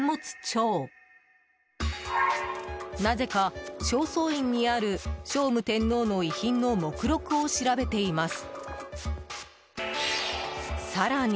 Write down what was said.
［なぜか正倉院にある聖武天皇の遺品の目録を調べています］